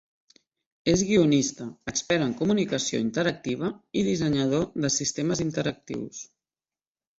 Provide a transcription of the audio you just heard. És guionista, expert en comunicació interactiva i dissenyador de sistemes interactius.